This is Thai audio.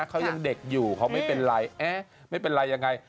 เขายังเด็กอยู่เขาไม่เป็นไรเอ๊ะไม่เป็นไรยังไง